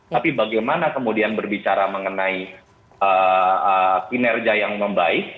tapi bagaimana kemudian berbicara mengenai kinerja yang membaik